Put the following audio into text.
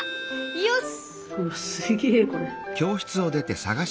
よし！